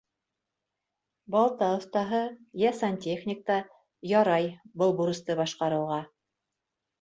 Балта оҫтаһы йә сантехник та ярай был бурысты башҡарыуға.